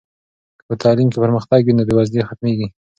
که په تعلیم کې پرمختګ وي نو بې وزلي ختمېږي.